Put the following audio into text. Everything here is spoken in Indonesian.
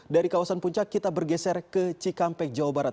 dari kawasan puncak kita bergeser ke cikampek jawa barat